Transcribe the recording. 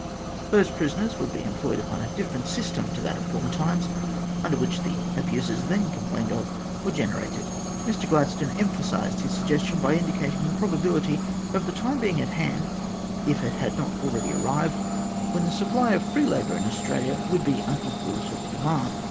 Those prisoners would be employed upon a system different to that of former times, under which the abuses then complained of were generated. Mr Gladstone emphasised his suggestion by indicating the probability of the time being at hand, if it had not already arrived, when the supply of free labour in Australia would be unequal to the demand.